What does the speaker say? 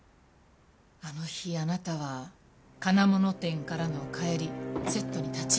あの日あなたは金物店からの帰りセットに立ち寄った。